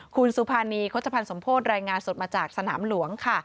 คุณสุภานีโฆษภัณฑ์สมโพธิรายงานสดมาจากสนามหลวงค่ะ